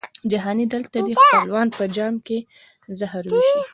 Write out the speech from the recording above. جهاني دلته دي خپلوان په جام کي زهر وېشي